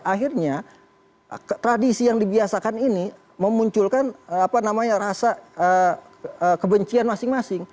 akhirnya tradisi yang dibiasakan ini memunculkan rasa kebencian masing masing